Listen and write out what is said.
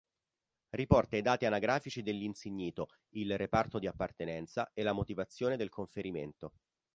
Riporta i dati anagrafici dell'insignito, il reparto di appartenenza e la motivazione del conferimento.